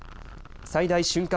最大瞬間